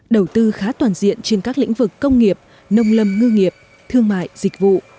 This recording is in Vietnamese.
đầu tư khá toàn diện trên các lĩnh vực công nghiệp nông lâm ngư nghiệp thương mại dịch vụ